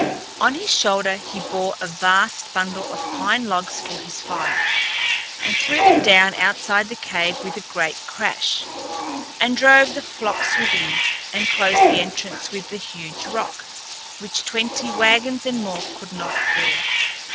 On his shoulder he bore a vast bundle of pine logs for his fire, and threw them down outside the cave with a great crash, and drove the flocks within, and closed the entrance with a huge rock, which twenty wagons and more could not bear.